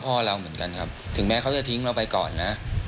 พ่อเราเหมือนกันครับถึงแม้เขาจะทิ้งเราไปก่อนนะ